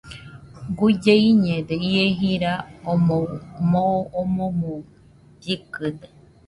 Guille iñede, ie jira omoɨ moo omoɨmo llɨkɨde